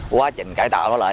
quá trình cải tạo nó lại